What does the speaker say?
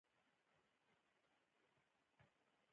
د پملا په ګڼو کې د مقالو شمیر معلوم نه وي.